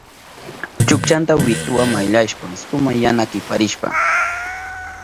Chukchanta wituwa mayllashpan suma yana kiparishka.